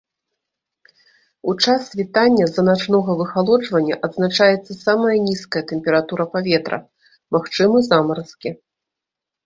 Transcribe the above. У час світання з-за начнога выхалоджвання адзначаецца самая нізкая тэмпература паветра, магчымы замаразкі.